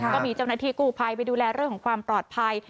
ก็มีเจ้าหน้าที่กู้ภัยไปดูแลเรื่องของความปลอดภัย